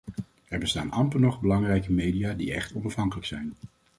Er bestaan amper nog belangrijke media die echt onafhankelijk zijn.